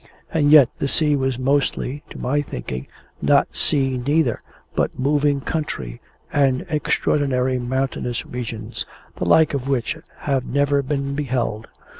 And yet the sea was mostly, to my thinking, not sea neither, but moving country and extraordinary mountainous regions, the like of which have never been beheld.